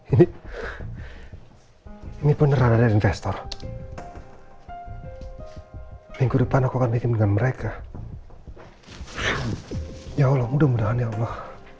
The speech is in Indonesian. ini ini beneran investor minggu depan aku akan bikin dengan mereka ya allah mudah mudahan ya allah